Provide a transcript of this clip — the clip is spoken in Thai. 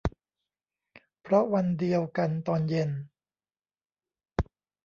เพราะวันเดียวกันตอนเย็น